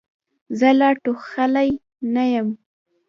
زه لا ټوخلې نه یم.